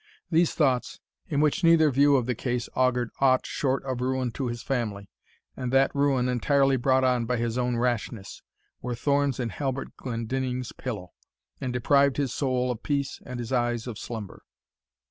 These thoughts, in which neither view of the case augured aught short of ruin to his family, and that ruin entirely brought on by his own rashness, were thorns in Halbert Glendinning's pillow, and deprived his soul of peace and his eyes of slumber.